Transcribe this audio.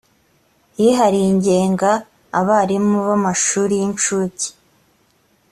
yihariye igenga abarimu b amashuri y incuke